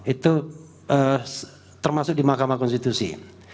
itu termasuk di mahkamah konstitusi